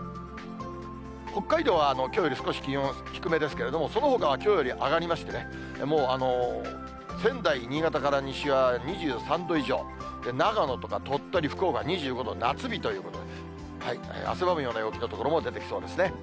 北海道はきょうより少し気温が低めですけれども、そのほかはきょうより上がりましてね、もう仙台、新潟から西は２３度以上、長野とか鳥取、福岡２５度、夏日ということで、汗ばむような陽気の所も出てきそうですね。